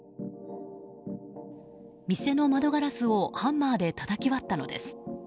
店の窓ガラスをハンマーでたたき割ったのです。